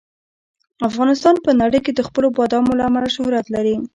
افغانستان په نړۍ کې د خپلو بادامو له امله شهرت لري.